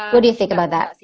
lu di sikap tak